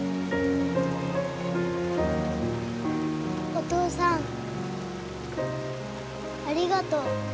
お父さんありがとう。